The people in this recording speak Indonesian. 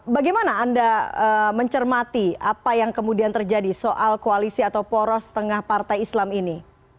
bagaimana anda mencermati apa yang kemudian terjadi soal koalisi atau poros tengah partai islam ini